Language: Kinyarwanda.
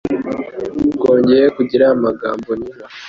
Twongeye kugira amagambo nijoro.